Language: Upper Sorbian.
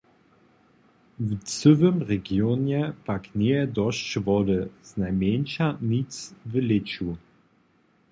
W cyłym regionje pak njeje dosć wody, znajmjeńša nic w lěću.